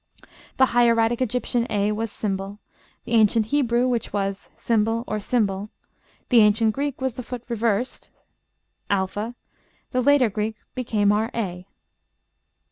The hieratic Egyptian a was ###; the ancient Hebrew, which was ### or ###; the ancient Greek was the foot reversed, ###; the later Greek became our A.